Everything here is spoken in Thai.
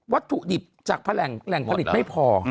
วัตถุดิบจากแหล่งผลิตไม่พอ